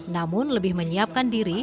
namun lebih menyiapkan diri